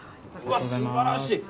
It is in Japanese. すばらしい。